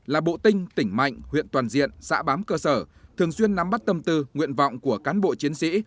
là bộ tinh tỉnh mạnh huyện toàn diện xã bám cơ sở thường xuyên nắm bắt tâm tư nguyện vọng của cán bộ chiến sĩ